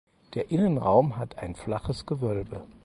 Der Innenraum hat ein flaches Gewölbe.